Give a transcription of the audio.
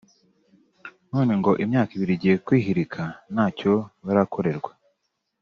none ngo imyaka ibiri igiye kwihirika ntacyo barakorerwa